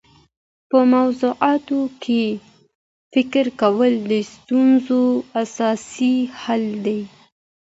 په موضوعاتو کي فکر کول د ستونزو اساسي حل دی.